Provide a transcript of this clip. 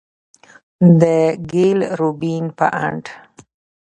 د ګيل روبين په اند،